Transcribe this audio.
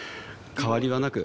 変わりなく？